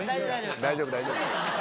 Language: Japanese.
大丈夫大丈夫。